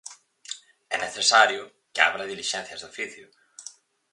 É necesario que abra dilixencias de oficio.